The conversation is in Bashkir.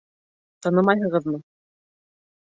Танымайһығыҙмы?